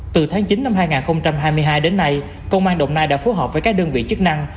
từ tháng chín năm hai nghìn hai mươi hai đến nay công an đồng nai đã phối hợp với các đơn vị chức năng